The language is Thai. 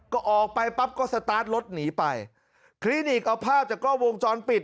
ก็ออกไปปั๊บก็สตาร์ทรถหนีไปคลินิกเอาภาพจากกล้องวงจรปิด